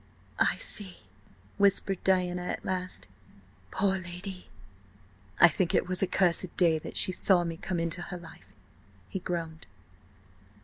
"I see," whispered Diana at last. "Poor lady!" "I think it was a cursed day that saw me come into her life," he groaned.